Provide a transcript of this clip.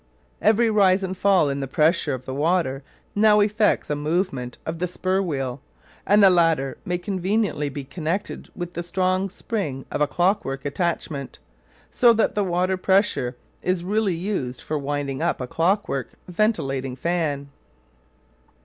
Every rise and fall in the pressure of the water now effects a movement of the spur wheel, and the latter may conveniently be connected with the strong spring of a clockwork attachment, so that the water pressure is really used for winding up a clockwork ventilating fan.